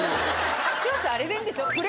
チュロスあれでいいんですよ。